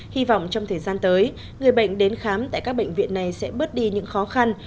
hy vọng trong thời gian tới người bệnh đến khám tại các bệnh viện này sẽ bớt đi những khó khăn